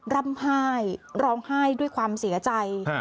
ร่ำไห้ร้องไห้ด้วยความเสียใจ